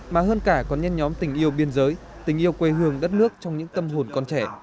mà hơn cả còn nhân nhóm tình yêu biên giới tình yêu quê hương đất nước trong những tâm hồn con trẻ